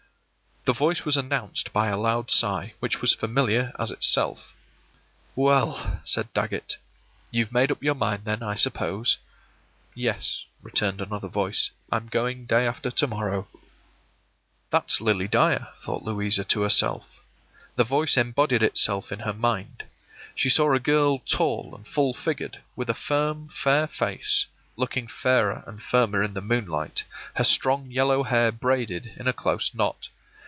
The voice was announced by a loud sigh, which was as familiar as itself. “Well,” said Dagget, “you've made up your mind, then, I suppose?” “Yes,” returned another voice; “I'm going day after to morrow.” “That's Lily Dyer,” thought Louisa to herself. The voice embodied itself in her mind. She saw a girl tall and full figured, with a firm, fair face, looking fairer and firmer in the moonlight, her strong yellow hair braided in a close knot.